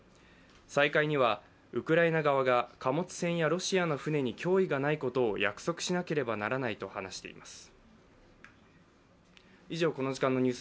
再開にはウクライナ側が貨物船やロシアの船に脅威がないことを約束しなければならないと話しています。